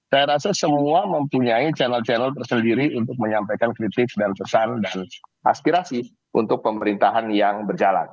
saya rasa semua mempunyai channel channel tersendiri untuk menyampaikan kritik dan pesan dan aspirasi untuk pemerintahan yang berjalan